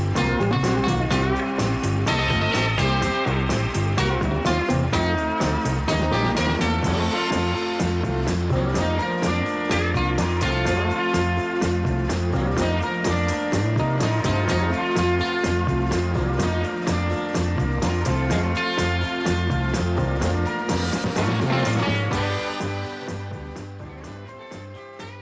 สวัสดีครับ